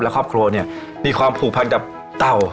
และครอบครัวเนี่ยมีความผูกพันกับเต่า